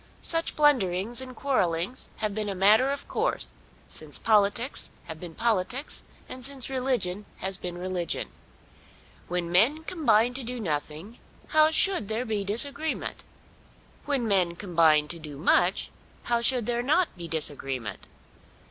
Such blunderings and quarrellings have been a matter of course since politics have been politics, and since religion has been religion. When men combine to do nothing, how should there be disagreement? When men combine to do much, how should there not be disagreement?